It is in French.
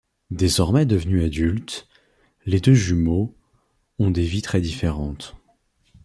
Désormais devenus adultes, les deux jumeaux ont des vies très différentes.